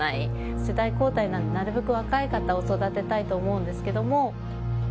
世代交代で、なるべく若い方を育てたいとは思うんですけれども。